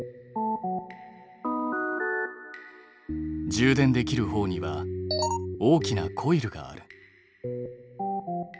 充電できるほうには大きなコイルがある。